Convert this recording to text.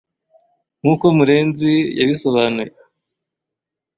nk’uko Murenzi yabisobanuye